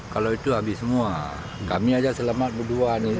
kalau itu habis semua kami aja selamat berdua